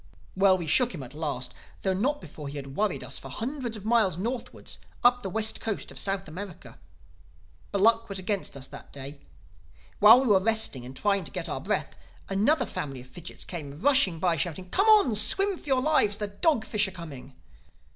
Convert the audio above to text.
"Well, we shook him at last—though not before he had worried us for hundreds of miles northward, up the west coast of South America. But luck was against us that day. While we were resting and trying to get our breath, another family of fidgits came rushing by, shouting, 'Come on! Swim for your lives! The dog fish are coming!